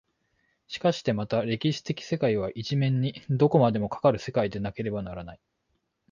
しかしてまた歴史的世界は一面にどこまでもかかる世界でなければならない。